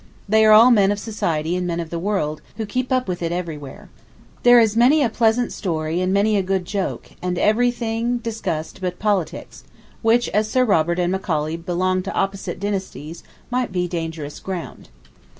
They are all men of society and men of the world, who keep up with it everywhere. There is many a pleasant story and many a good joke, and everything discussed but politics, which, as Sir Robert and Macaulay belong to opposite dynasties, might be dangerous ground.